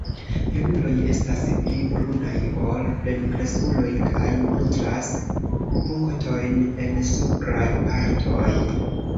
Junuloj estas pli brunaj ol plenkreskuloj kaj montras punktojn en supraj partoj.